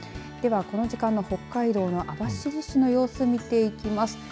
では、この時間の北海道の網走市の様子を見ていきます。